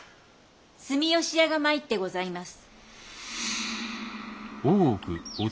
住吉屋が参ってございます。